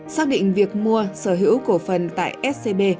xác định việc mua sở hữu cổ phần tại scb